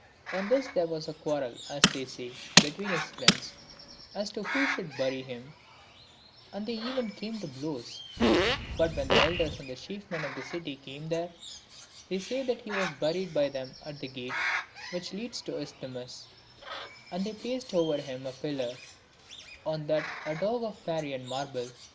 On this there was a quarrel, as they say, between his friends, as to who should bury him, and they even came to blows ; but when the elders and chief men of the city came there, they say that he was buried by them at the gate which leads to the Isthmus, And they placed over him a pillar, and on that a dog in Parian marble.